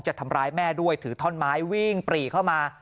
ทำร้ายแม่ด้วยถือท่อนไม้วิ่งปรีเข้ามา